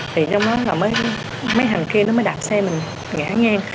thì nó mới mấy thằng kia nó mới đạp xe mình ngã ngang